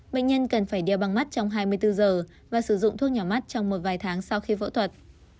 bệnh nhân cần phải đeo bằng mắt trong hai mươi bốn giờ và sử dụng thuốc nhỏ mắt trong một vài tháng sau khi phẫu thuật